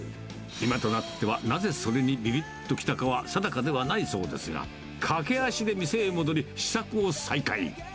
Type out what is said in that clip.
今となっては、なぜそれにびびっときたかは定かではないそうですが、駆け足で店へ戻り、試作を再開。